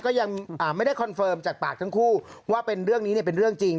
ก็ยังไม่ได้คอนเฟิร์มจากปากทั้งคู่ว่าเป็นเรื่องนี้เนี่ยเป็นเรื่องจริง